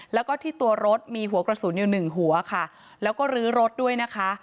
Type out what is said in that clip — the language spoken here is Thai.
แล้วก็ที่ตัวรถมีหัวกระสุนอยู่หนึ่งหัวค่ะแล้วก็ลื้อรถด้วยนะคะ